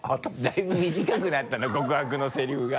だいぶ短くなったな告白のセリフが。